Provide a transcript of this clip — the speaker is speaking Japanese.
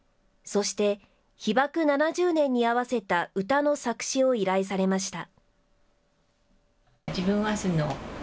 そして被爆７０年に合わせた歌の作詞を依頼されました。